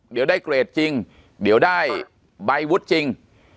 เดี๋ยวได้เกรดจริงเดี๋ยวได้ใบวุฒิจริง